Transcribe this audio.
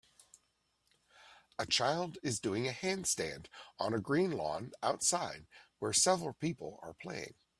A child is doing a handstand on a green lawn outside where several people are playing